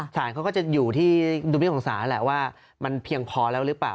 สารเขาก็จะอยู่ที่ดุมิตของศาลแหละว่ามันเพียงพอแล้วหรือเปล่า